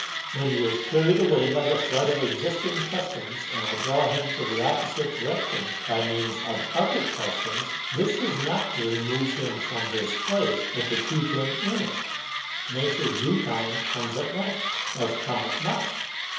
When he is carried away by the flood of existing customs and I draw him in the opposite direction by means of other customs, this is not to remove him from his place, but to keep him in it. Nature's due time comes at length, as come it must.